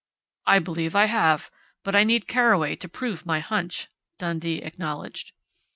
"I believe I have, but I need Carraway to prove my hunch," Dundee acknowledged.